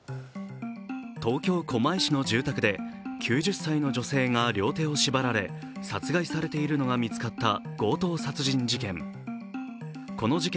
東京・狛江市の住宅で９０歳の女性が両手を縛られ殺害されているのが見つかった強盗殺人事件。